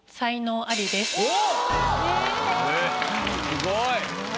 すごい。